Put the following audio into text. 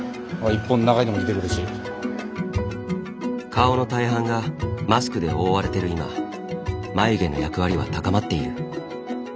顔の大半がマスクで覆われてる今眉毛の役割は高まっている。